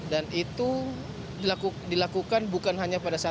dan itu dilakukan bukan hanya pada satu dua driver